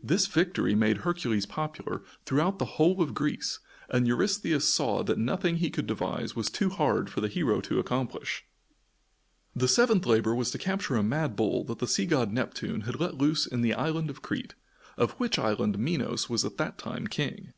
This victory made Hercules popular throughout the whole of Greece, and Eurystheus saw that nothing he could devise was too hard for the hero to accomplish. The seventh labor was to capture a mad bull that the Sea god Neptune had let loose in the island of Crete, of which island Minos was at that time King.